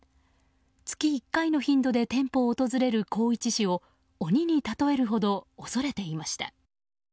月１回の頻度で店舗を訪れる宏一氏を鬼に例えるほど恐れていました。